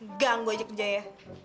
enggak gue ajak kerja ya